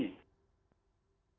kalau tentang prosesnya